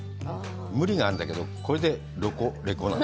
無理なんだけど、これで「ロコレコ！」なの。